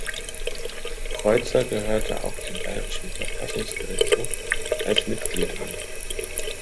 Kreuzer gehörte auch dem Bayerischen Verfassungsgerichtshof als Mitglied an.